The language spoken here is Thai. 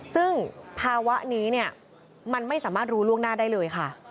ซึ่งภาวะนี้เนี่ยมันไม่สามารถรู้ล่วงหน้าได้เลยค่ะ